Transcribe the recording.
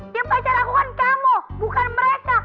ya pacar aku kan kamu bukan mereka